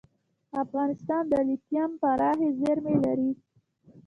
افغانستان د لیتیم پراخې زیرمې لري.